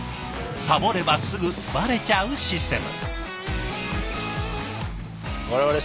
サボればすぐバレちゃうシステム。